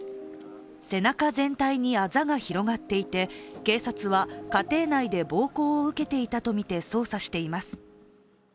背中全体にあざが広がっていて警察は家庭内で暴行を受けていたとみて捜査しています。